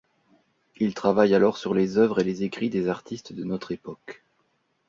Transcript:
Il travaille alors sur les œuvres et les écrits des artistes de notre époque.